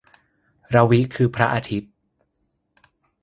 รวิ คือพระอาทิตย์